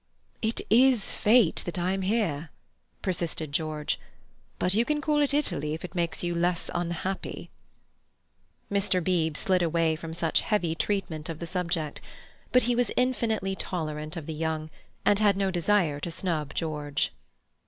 "It is Fate that I am here," persisted George. "But you can call it Italy if it makes you less unhappy." Mr. Beebe slid away from such heavy treatment of the subject. But he was infinitely tolerant of the young, and had no desire to snub George.